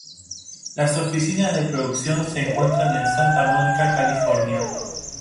Las oficinas de producción se encuentran en Santa Mónica, California.